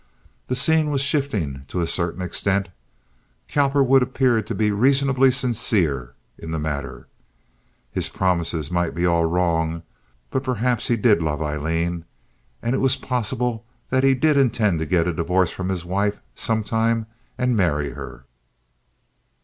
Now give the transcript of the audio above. The scene was shifting to a certain extent. Cowperwood appeared to be reasonably sincere in the matter. His promises might all be wrong, but perhaps he did love Aileen; and it was possible that he did intend to get a divorce from his wife some time and marry her.